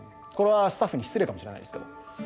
これはスタッフに失礼かもしれないですけど。